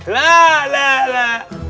lah lah lah